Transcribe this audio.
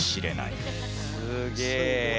すげえ。